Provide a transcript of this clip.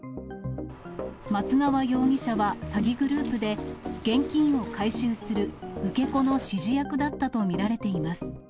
松縄容疑者は詐欺グループで、現金を回収する受け子の指示役だったと見られています。